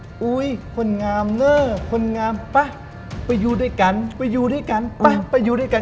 อุ้ยคนงามเนอร์คนงามป่ะไปอยู่ด้วยกันไปอยู่ด้วยกันไปไปอยู่ด้วยกัน